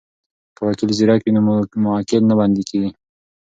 که وکیل زیرک وي نو موکل نه بندی کیږي.